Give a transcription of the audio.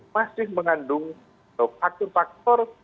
masih mengandung faktor faktor